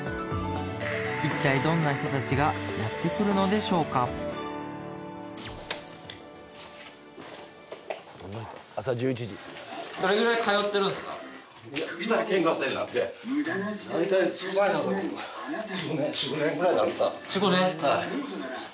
一体どんな人たちがやってくるのでしょうか４５年？